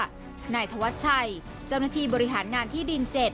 และหลักฐานว่านายธวรรษชัยเจ้าหน้าที่บริหารงานที่ดิน๗